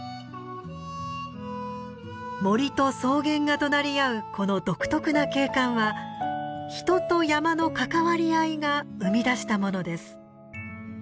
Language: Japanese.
森と草原が隣り合うこの独特な景観は人と山の関わり合いが生み出したものです。